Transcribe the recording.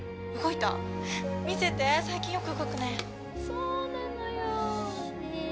そうなのよ。ね。